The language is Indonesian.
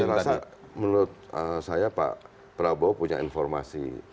saya rasa menurut saya pak prabowo punya informasi